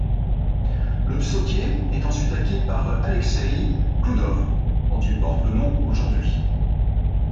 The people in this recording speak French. Le psautier est ensuite acquis par Alexeï Khloudov, dont il porte le nom aujourd'hui.